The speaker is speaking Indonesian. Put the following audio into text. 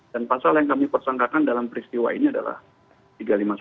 dan pasal yang kami persangkakan dalam peristiwa ini adalah